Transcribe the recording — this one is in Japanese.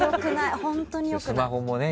本当に良くない。